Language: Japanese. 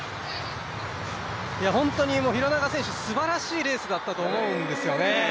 本当に廣中選手すばらしいレースだったと思うんですよね。